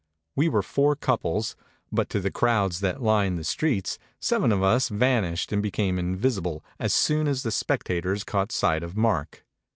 We were four couples, but to the crowds that lined the 189 MEMORIES OF MARK TWAIN streets seven of us vanished and became invisi ble as soon as the spectators caught sight of Mark.